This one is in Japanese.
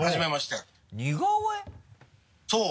そう。